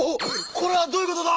これはどういうことだ